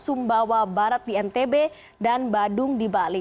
sumbawa barat di ntb dan badung di bali